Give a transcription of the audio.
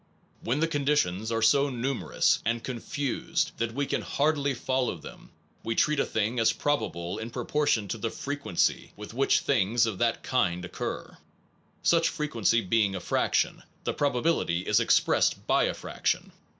When the conditions are so numerous and con fused that we can hardly follow them, we treat a thing as probable in proportion to the frequency with which things of that kind occur. Such fre quency being a fraction, the probability is expressed by a fraction.